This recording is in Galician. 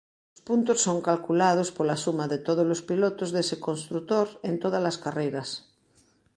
Os puntos son calculados pola suma de tódolos pilotos dese construtor en tódalas carreiras.